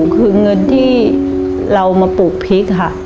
คือเงินที่เรามาปลูกพริกค่ะ